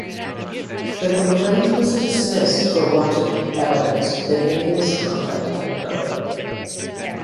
The complaint was dismissed for want of evidence that any misconduct had occurred.